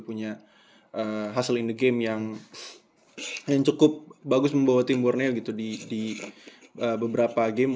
punya hasil in the game yang cukup bagus membawa tim borneo gitu di beberapa game